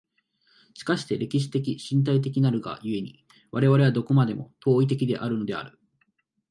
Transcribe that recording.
しかして歴史的身体的なるが故に、我々はどこまでも当為的であるのである。